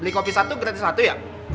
beli kopi satu gratis satu ya